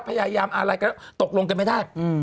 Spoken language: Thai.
พยายามอะไรก็ตกลงกันไม่ได้